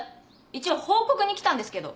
一応報告に来たんですけど！